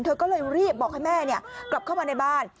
เธอก็เลยรีบบอกให้แม่กลับเข้ามาในบ้าน